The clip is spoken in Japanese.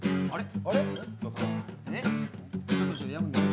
あれ？